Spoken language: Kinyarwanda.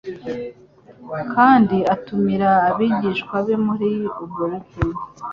kandi atumira n'abigishwa be muri ubwo bukwe.